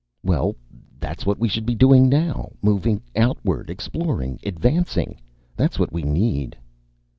"Well, that's what we should be doing now. Moving outward, exploring, advancing. That's what we need."